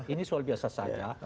ini soal biasa saja